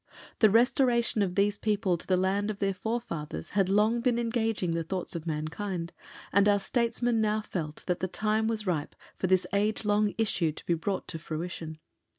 The restoration of these people to the land of their forefathers had long been engaging the thoughts of mankind, and our Statesmen now felt that the time was ripe for this age long issue to be brought to fruition.